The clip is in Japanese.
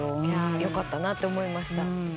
よかったなと思いました。